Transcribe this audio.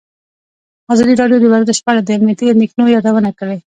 ازادي راډیو د ورزش په اړه د امنیتي اندېښنو یادونه کړې.